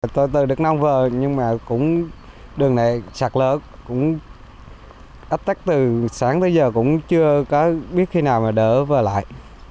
từ từ được nông vờ nhưng đường này sạt lở áp tác từ sáng tới giờ cũng chưa biết khi nào đỡ vờ lại